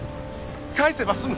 返せば済む